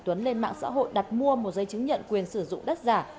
tuấn lên mạng xã hội đặt mua một giấy chứng nhận quyền sử dụng đất giả